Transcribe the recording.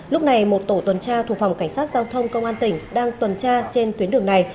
lúc này một tổ tuần tra thuộc phòng cảnh sát giao thông công an tỉnh đang tuần tra trên tuyến đường này